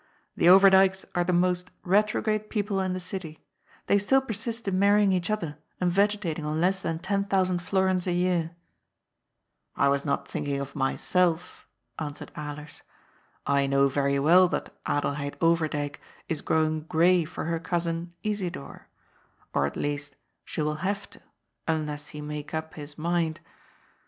" The Overdyks are the most retrograde TEE POWER OF ATTORNEY. 315 people in the city. They still persist in marrying each other and yegetating on less than ten thousand florins a year." " I was not thinking of myself," answered Alers. " I know yery well that Adelheid Oyerdyk is growing gray for her cousin Isidor. Or, at least, she will haye to, unless he make up his mind.